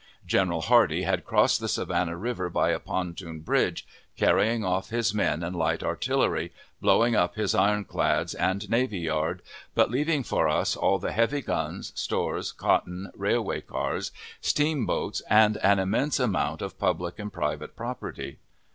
General Hardee had crossed the Savannah River by a pontoon bridge, carrying off his men and light artillery, blowing up his iron clads and navy yard, but leaving for us all the heavy guns, stores, cotton, railway cars, steamboats, and an immense amount of public and private property.